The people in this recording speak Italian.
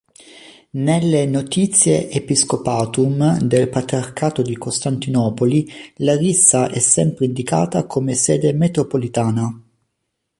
Nelle "Notitiae Episcopatuum" del patriarcato di Costantinopoli Larissa è sempre indicata come sede metropolitana.